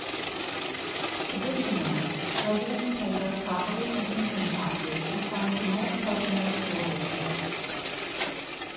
Additionally, residents pay their property and income taxes to fund North Pocono School District.